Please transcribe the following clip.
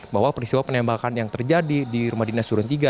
bahwa peristiwa penembakan yang terjadi di rumah dinas durintiga